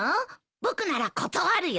僕なら断るよ。